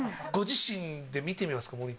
ご自身で見てみますか？